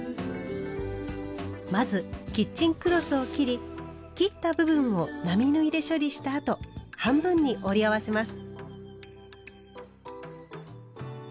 まずキッチンクロスを切り切った部分を並縫いで処理したあと半分に折り合わせます。